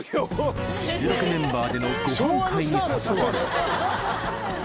収録メンバーでのごはん会に誘われ。